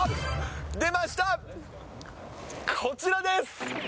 出ました、こちらです。